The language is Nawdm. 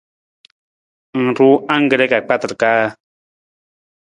Ng ruu angkre ka kpatar kaa?